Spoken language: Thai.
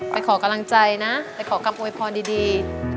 ไปขอกำลังใจนะไปขอคำโวยพรดี